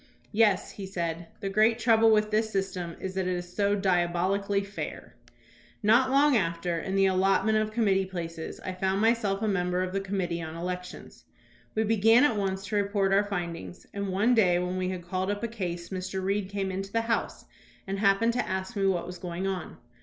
"Yes," he said, "the great trouble with this system is that it is so diabolically fair." Not long afterward, in the allotment of committee places, I found myself a member of the Committee on Elections. We began at once to report our findings, and one day when we had called up a case Mr. Reed came into the House and happened to ask me what was going on.